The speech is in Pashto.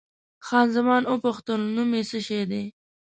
خان زمان وپوښتل، نوم یې څه شی دی؟